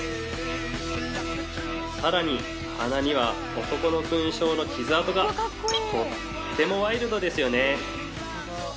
さらに鼻には男の勲章の傷痕がとってもワイルドですよね